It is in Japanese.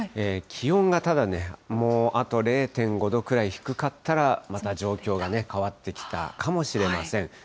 気温がただね、もうあと０．５度くらい低かったら、また状況がね、変わってきたかもしれません。